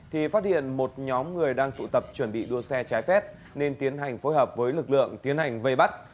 thì phát hiện một nhóm người đang tụ tập chuẩn bị đua xe trái phép nên tiến hành phối hợp với lực lượng tiến hành vây bắt